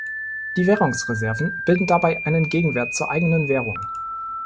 Die Währungsreserven bilden dabei einen Gegenwert zur eigenen Währung.